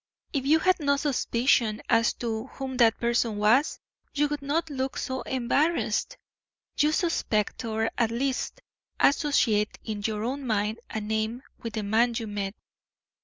If you had no suspicion as to whom that person was you would not look so embarrassed. You suspect, or, at least, associate in your own mind a name with the man you met.